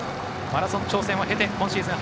マラソン調整も経て今シーズン